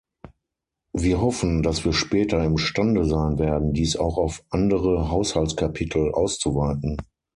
Wir hoffen, dass wir später imstande sein werden, dies auch auf andere Haushaltskapitel auszuweiten.